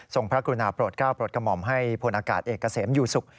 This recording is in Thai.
ทรงพระกุณฑาโปรดเกล้าโปรดกำอมให้พวนอากาศเอกเสมอยู่ศุกร์